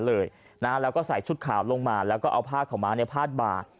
แล้วก็ใส่ชุดขาวลงมาแล้วก็เอาผ้าขาวม้าเนี่ยพาดบ่า